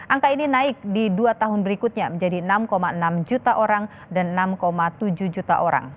angka ini naik di dua tahun berikutnya menjadi enam enam juta orang dan enam tujuh juta orang